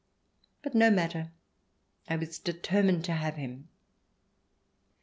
But no matter : I was determined to have him.